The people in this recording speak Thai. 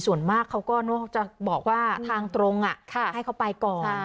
ส่วนมากเขาก็จะบอกว่าทางตรงให้เขาไปก่อน